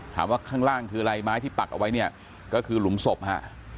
ข้างล่างคืออะไรไม้ที่ปักเอาไว้เนี่ยก็คือหลุมศพฮะ